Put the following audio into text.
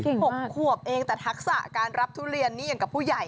หกขวบเองแต่ทักษะการรับทุเรียนนี่อย่างกับผู้ใหญ่